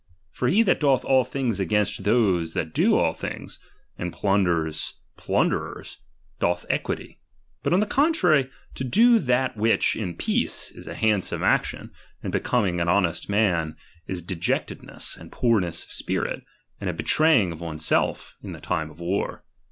For he that doth all things against . those that do all things, and plunders plunderers, doth equity. contrary, lo do that which in peace is a handsome \ action, and becoming an honest man, is dejectedncss and poor' IS of spirit, and a betraying of one's self, in the time of war.